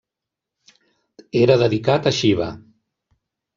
Era dedicat a Xiva.